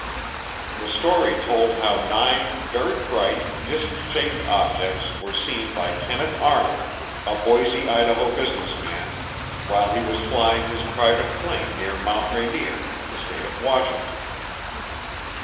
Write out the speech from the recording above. The story told how nine very bright, disk shaped objects were seen by Kenneth Arnold, a Boise, Idaho, businessman, while he was flying his private plane near Mount Rainier, in the state of Washington.